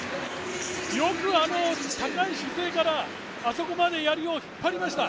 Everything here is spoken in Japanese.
よくあの高い姿勢から、あそこまでやりを引っ張りました。